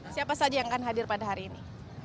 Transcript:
siapa saja yang akan hadir pada hari ini